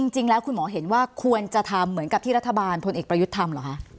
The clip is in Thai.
จริงแล้วคุณหมอเห็นว่าควรจะทำเหมือนกับที่รัฐบาลพลเอกประยุทธ์ทำเหรอคะ